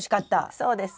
そうです。